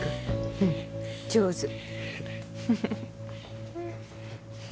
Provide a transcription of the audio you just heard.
うん上手あ